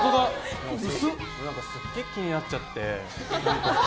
すっげえ気になっちゃって。